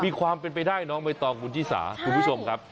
มีความเป็นไปได้ไหมตอนมุนที่สาครับคุณผู้ชมครับ